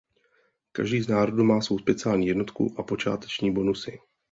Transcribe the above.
Každý z národů má svou speciální jednotku a počáteční bonusy.